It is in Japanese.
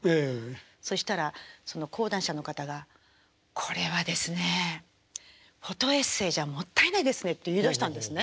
そしたら講談社の方が「これはですねえフォトエッセーじゃもったいないですね」って言いだしたんですね。